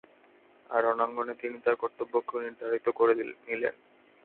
আর রণাঙ্গনে তিনি তাঁর কর্তব্যকেও নির্ধারিত করে নিলেন।